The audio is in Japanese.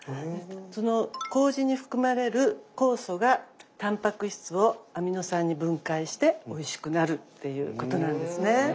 その麹に含まれる酵素がタンパク質をアミノ酸に分解しておいしくなるっていうことなんですね。